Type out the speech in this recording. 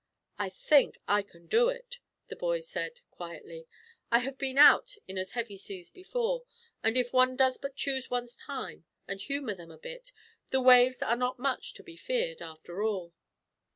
"I think I can do it," the boy said, quietly. "I have been out in as heavy seas before, and if one does but choose one's time, and humor them a bit, the waves are not much to be feared, after all.